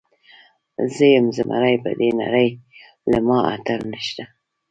زۀ يم زمری پر دې نړۍ له ما اتل نيشته